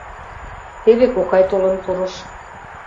Теве кокай толын пурыш.